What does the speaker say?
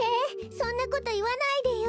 そんなこといわないでよ！